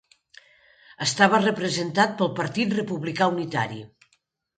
Estava representat pel Partit Republicà Unitari.